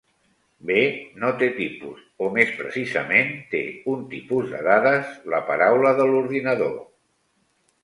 B no té tipus o, més precisament, té un tipus de dades: la paraula de l'ordinador.